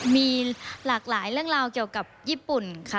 มีหลากหลายเรื่องราวเกี่ยวกับญี่ปุ่นค่ะ